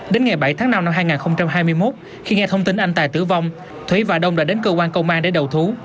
đến ngày bảy tháng năm năm hai nghìn hai mươi một khi nghe thông tin anh tài tử vong thúy và đông đã đến cơ quan công an để đầu thú